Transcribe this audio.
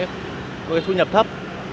có cái thu nhập thấp